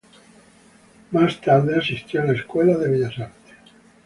Más tarde asistió a la Escuela de Bellas Artes.